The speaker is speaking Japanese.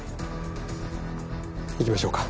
行きましょうか。